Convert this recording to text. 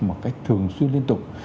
một cách thường xuyên liên tục